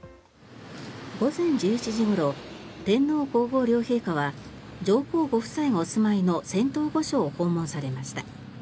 午前１１時ごろ天皇・皇后両陛下は上皇ご夫妻がお住まいの仙洞御所を訪問されました。